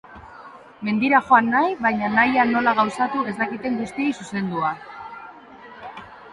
Mendira joan nahi, baina nahia nola gauzatu ez dakiten guztiei zuzendua.